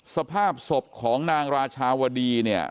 สภาพศพของนางราชาวดีเนี่ย